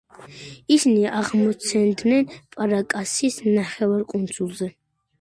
ისინი აღმოცენდნენ პარაკასის ნახევარკუნძულზე.